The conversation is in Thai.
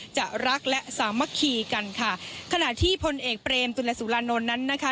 จะรักและสามัคคีกันค่ะขณะที่พลเอกเปรมตุลสุรานนท์นั้นนะคะ